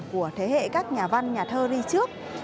của thế hệ các nhà văn nhà thơ đi trước